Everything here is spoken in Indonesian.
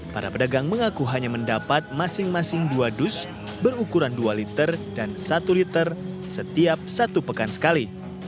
para pedagang mengaku hanya mendapat masing masing dua dus berukuran dua liter dan satu liter setiap satu pekan sekali